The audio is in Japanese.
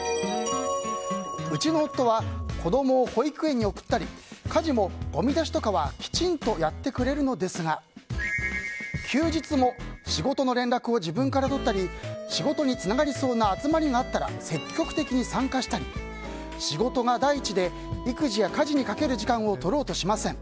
うちの夫は子供を保育園に送ったり家事もごみ出しとかはきちんとやってくれるのですが休日も仕事の連絡を自分から取ったり仕事につながりそうな集まりがあったら積極的に参加したり仕事が第一で育児や家事にかける時間をとろうとしません。